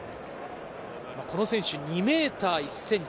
この２ｍ１ｃｍ。